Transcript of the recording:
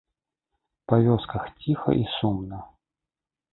Па вёсках ціха і сумна.